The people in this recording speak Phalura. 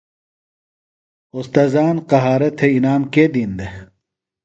اوستاذان قہارہ تھےۡ انعام کے دِین دےۡ؟